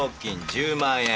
１０万円。